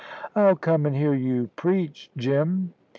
"I'll come and hear you preach, Jim."